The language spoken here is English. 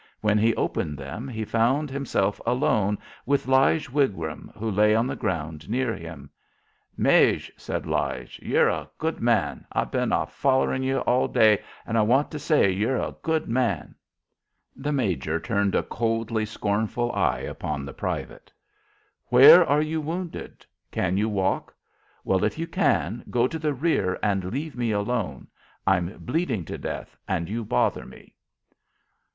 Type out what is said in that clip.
When he opened them he found himself alone with Lige Wigram, who lay on the ground near him. "Maje," said Lige, "yer a good man. I've been a follerin' ye all day an' I want to say yer a good man." The major turned a coldly scornful eye upon the private. "Where are you wounded? Can you walk? Well, if you can, go to the rear and leave me alone. I'm bleeding to death, and you bother me."